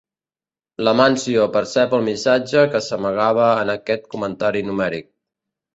L'Amáncio percep el missatge que s'amagava en aquest comentari numèric.